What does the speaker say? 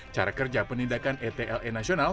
cara kerja penindakan etle nasional